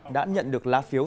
đã nhận được lá phiếu